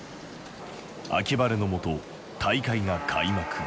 秋晴れのもと大会が開幕。